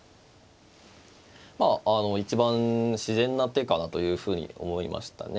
まあ一番自然な手かなというふうに思いましたね。